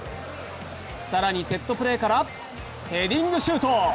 更にセットプレーからヘディングシュート。